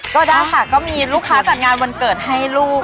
ก็ได้ค่ะก็มีลูกค้าจัดงานวันเกิดให้ลูก